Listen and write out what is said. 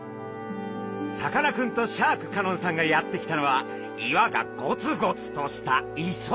さかなクンとシャーク香音さんがやって来たのは岩がゴツゴツとした磯。